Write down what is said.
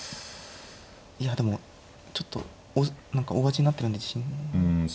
いやでもちょっと何か大味になってるんで自信ない。